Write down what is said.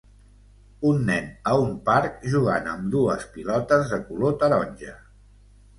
Un nen a un parc jugant amb dues pilotes de color taronja.